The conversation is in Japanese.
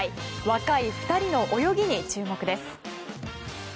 若い２人の泳ぎに注目です。